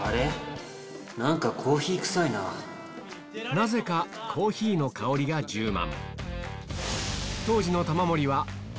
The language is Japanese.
なぜかコーヒーの香りが充満